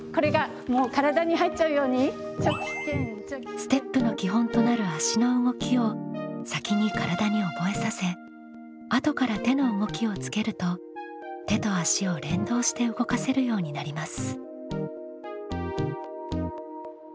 ステップの基本となる足の動きを先に体に覚えさせあとから手の動きをつけると手と足を連動して動かせるようになります。